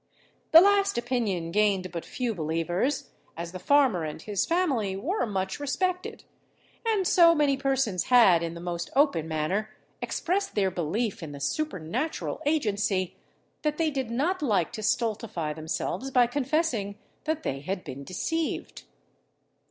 The last opinion gained but few believers, as the farmer and his family were much respected; and so many persons had, in the most open manner, expressed their belief in the supernatural agency, that they did not like to stultify themselves by confessing that they had been deceived.